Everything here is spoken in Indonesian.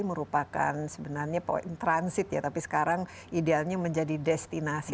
merupakan sebenarnya point transit ya tapi sekarang idealnya menjadi destinasi